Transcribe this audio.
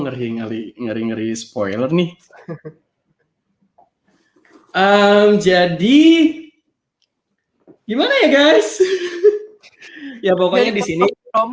ngeri ngeri ngeri ngeri spoiler nih jadi gimana ya guys ya pokoknya di sini